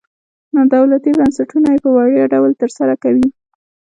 نادولتي بنسټونه یې په وړیا ډول تر سره کوي.